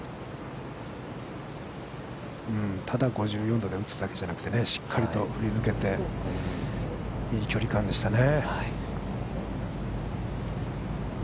ただ５４度で打つだけじゃなくて、しっかりと振り抜けて、いい距離感でしたね。